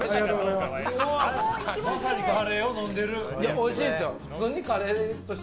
おいしいですよ！